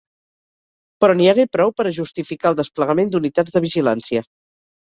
Però n’hi hagué prou per a justificar el desplegament d’unitats de vigilància.